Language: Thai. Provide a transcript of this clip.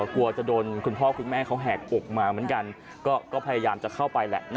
กลัวจะโดนคุณพ่อคุณแม่เขาแหกอกมาเหมือนกันก็พยายามจะเข้าไปแหละ